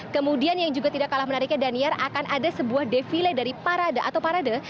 kemudian yang juga tidak kalah menariknya daniar akan ada sebuah defile dari parade atau parade